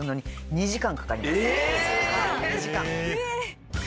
２時間。